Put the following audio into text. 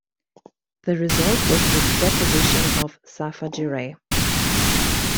The result was the deposition of Safa Giray.